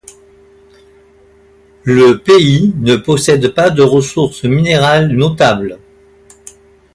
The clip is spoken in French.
Le pays ne possède pas de ressources minérales notables.